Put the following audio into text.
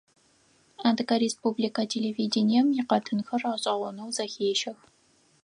Адыгэ республикэ телевидением икъэтынхэр гъэшӀэгъонэу зэхещэх.